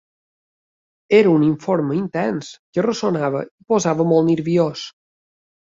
Era un informe intens que ressonava i posava molt nerviós.